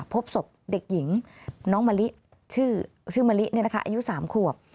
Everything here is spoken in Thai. พบศพเด็กหญิงน้องมะลิชื่อมะลิอายุ๓ขวบ